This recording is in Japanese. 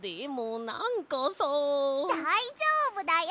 だいじょうぶだよ！